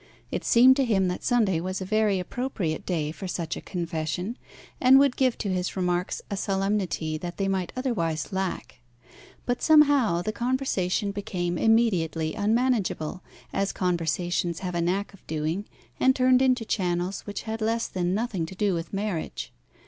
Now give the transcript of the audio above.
It seemed to him that Sunday was a very appropriate day for such a confession, and would give to his remarks a solemnity that they might otherwise lack. But somehow the conversation became immediately unmanageable, as conversations have a knack of doing, and turned into channels which had less than nothing to do with marriage.